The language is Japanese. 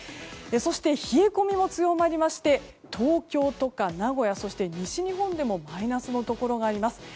そして、冷え込みも強まって東京とか名古屋そして西日本でもマイナスのところがあります。